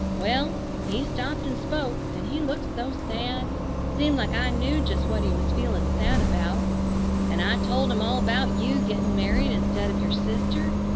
Well, he stopped and spoke, and he looked so sad, seemed like I knew just what he was feeling sad about, and I told him all about you getting married instead of your sister.